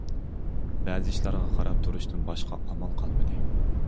بەزى ئىشلارغا قاراپ تۇرۇشتىن باشقا ئامال قالمىدى!